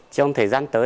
trong thời gian trước